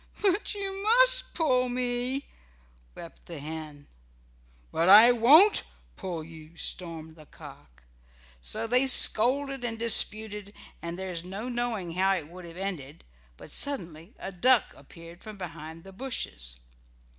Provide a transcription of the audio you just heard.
"But you must pull me," wept the hen. "But I won't pull you," stormed the cock. So they scolded and disputed and there is no knowing how it would have ended, but suddenly a duck appeared from behind some bushes.